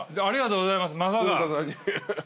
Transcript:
ありがとうございますまさか。